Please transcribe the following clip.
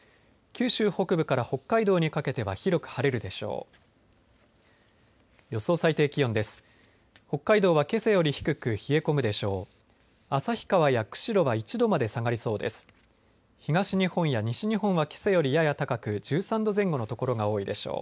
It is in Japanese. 九州北部から北海道にかけては広く晴れるでしょう。